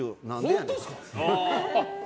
本当ですか？